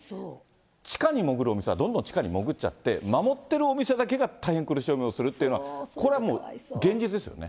地下に潜るお店は、どんどん地下に潜っちゃって、守ってるお店だけが大変苦しい思いをするというのが、これもう、現実ですよね。